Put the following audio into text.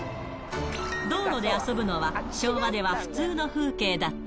道路で遊ぶのは、昭和では普通の風景だった。